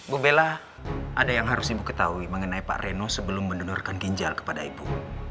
bu bella ada yang harus ibu ketahui mengenai pak reno sebelum mendonorkan ginjal kepada ibu